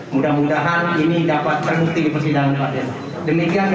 mudah mudahan ini dapat terbukti di persidangan